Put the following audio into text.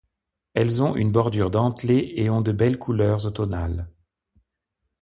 Elles ont une bordure dentelée et ont de belles couleurs automnales.